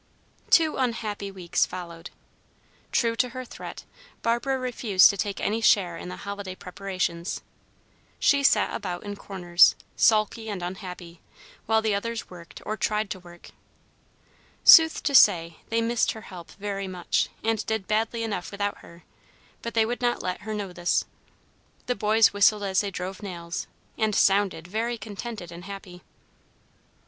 Two unhappy weeks followed. True to her threat, Barbara refused to take any share in the holiday preparations. She sat about in corners, sulky and unhappy, while the others worked, or tried to work. Sooth to say, they missed her help very much, and did badly enough without her, but they would not let her know this. The boys whistled as they drove nails, and sounded very contented and happy.